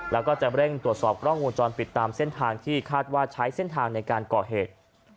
แล้วก็จะเร่งตรวจสอบกร่องของวงจรปิดตามแสดงทางที่คาดว่าใช้แสดงของเร็วไกลในก่อนก่อเหตุ